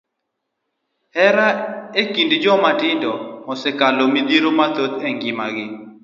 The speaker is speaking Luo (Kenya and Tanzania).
Hera e kind joma tindo osekelo midhiero mathoth e ngima gi.